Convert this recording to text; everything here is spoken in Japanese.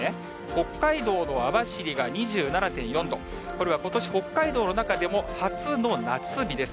北海道の網走が２７．４度、これはことし北海道の中でも初の夏日です。